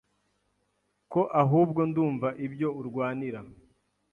ko ahubwo ndumva ibyo urwanira